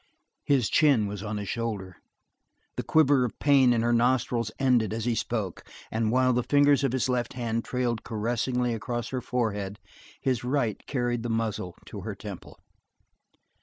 His chin was on his shoulder; the quiver of pain in her nostrils ended as he spoke; and while the fingers of his left hand trailed caressingly across her forehead, his right carried the muzzle to her temple.